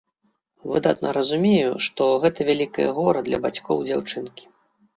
Выдатна разумею, што гэта вялікае гора для бацькоў дзяўчынкі.